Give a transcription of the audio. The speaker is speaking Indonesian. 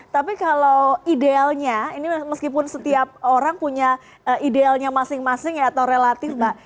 tapi kalau idealnya ini meskipun setiap orang punya idealnya masing masing ya atau relatif mbak